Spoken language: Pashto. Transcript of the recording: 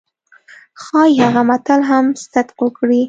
ښايي هغه متل هم صدق وکړي.